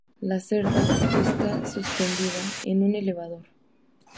La cerda está suspendida en un elevador.